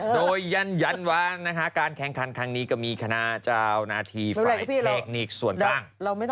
โดยยันวันนะคะการแข่งคันทางนี้ก็มีคณะเจ้านาธิไฟล์เนคนิกส่วนกล้าง